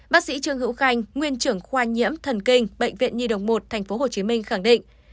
bác sĩ trương hữu khanh nguyên trưởng khoa nhiễm thần kinh bệnh viện nhi đồng một tp hcm khẳng định